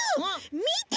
みて！